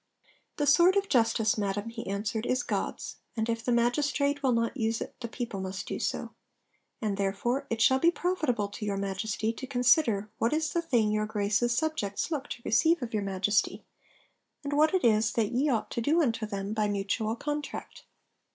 'The sword of justice, Madam,' he answered, 'is God's; and if the magistrate will not use it the people must do so. And therefore it shall be profitable to your Majesty to consider what is the thing your Grace's subjects look to receive of your Majesty, and what it is that ye ought to do unto them by mutual contract.